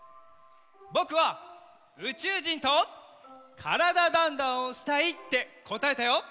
ぼくは「うちゅうじんと『からだ☆ダンダン』をしたい」ってこたえたよ！